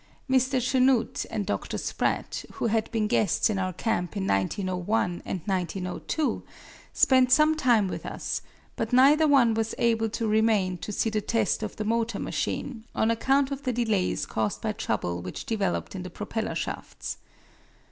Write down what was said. Mr. Chanute and Dr. Spratt, who had been guests in our camp in 1901 and 1902, spent some time with us, but neither one was able to remain to see the test of the motor machine, on account of the delays caused by trouble which developed in the propeller shafts.